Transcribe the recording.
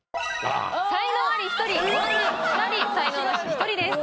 才能アリ１人凡人２人才能ナシ１人です。